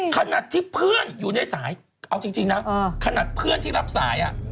ขนาดที่เพื่อนอยู่ในสายเอาจริงนะขนาดเพื่อนที่รับสาย